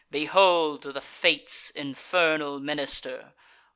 Behold the Fates' infernal minister!